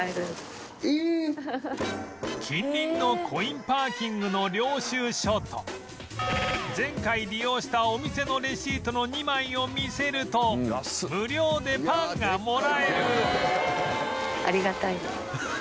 近隣のコインパーキングの領収書と前回利用したお店のレシートの２枚を見せると無料でパンがもらえる